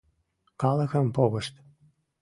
Калыкым погышт.